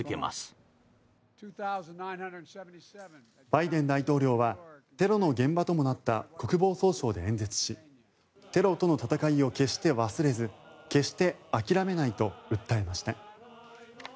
バイデン大統領はテロの現場ともなった国防総省で演説しテロとの戦いを決して忘れず決して諦めないと訴えました。